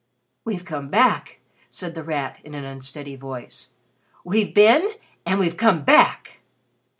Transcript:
"We've come back!" said The Rat, in an unsteady voice. "We've been and we've come back!"